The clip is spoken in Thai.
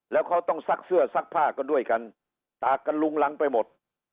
แล้วเขาต้องซักเสื้อซักผ้ากันด้วยกันตากกันลุงรังไปหมด